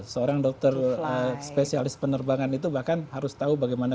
seorang dokter spesialis penerbangan itu bahkan harus tahu bagaimana